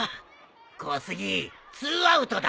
小杉ツーアウトだ。